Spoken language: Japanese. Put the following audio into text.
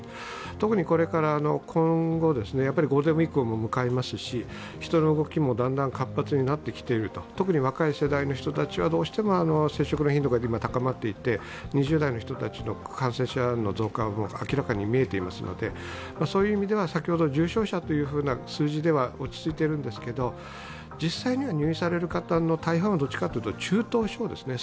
特にこれから、ゴールデンウィークを迎えますし人の動きもだんだん活発になってきている、特に若い世代の人たちはどうしても接触の頻度が高まっていて２０代の人たちの感染者の増加は明らかに見えていますのでそういう意味では重症者という数字では落ち着いているんですが、実際には入院される方の大半はどっちかというと中等症ですね。